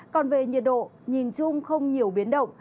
còn về nhiệt độ nhìn chung không nhiều biến động